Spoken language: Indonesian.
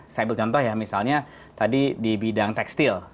saya ambil contoh ya misalnya tadi di bidang tekstil